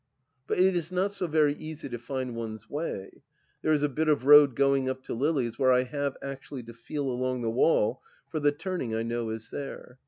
But it is not so very easy to find one's way. There b a bit of road going up to Lily's where I have actually to feel along the wall for the turning I know is there.